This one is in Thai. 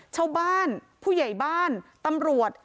ชาวบ้านผู้ใหญ่บ้านตำรวจ